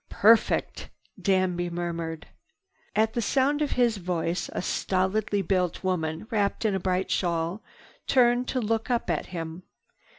"Perfect!" Danby murmured. At sound of his voice, a solidly built woman, wrapped in a bright shawl, turned to look up at him.